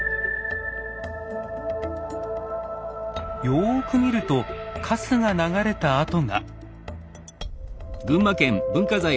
よく見るとかすが流れた跡が。